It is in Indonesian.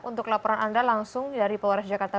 untuk laporan anda langsung dari polres jakarta